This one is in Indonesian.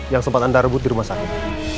yang sempat anda rebut di rumah sakit